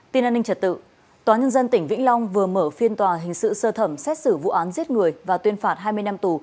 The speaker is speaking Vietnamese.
tin an ninh trật tự tòa nhân dân tỉnh vĩnh long vừa mở phiên tòa hình sự sơ thẩm xét xử vụ án giết người và tuyên phạt hai mươi năm tù